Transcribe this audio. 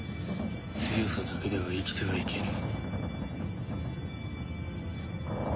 強さだけでは生きては行けぬ。